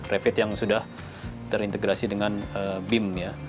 revit yang sudah terintegrasi dengan bim